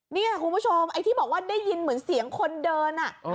นี่คุณผู้ชมไอ้ที่บอกว่าได้ยินเหมือนเสียงคนเดิน